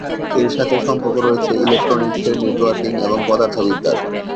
এর সাথে সম্পর্ক রয়েছে ইলেকট্রনিক্সের, নেটওয়ার্কিং এবং পদার্থবিদ্যার।